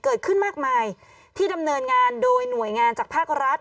เกิดขึ้นมากมายที่ดำเนินงานโดยหน่วยงานจากภาครัฐ